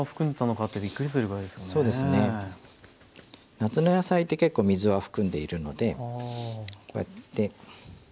夏の野菜って結構水は含んでいるのでこうやって。